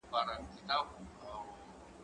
کښېناستل د زده کوونکي له خوا کيږي،